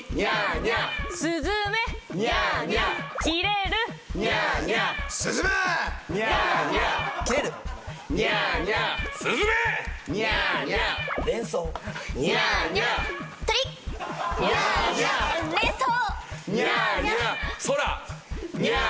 ニャーニャー。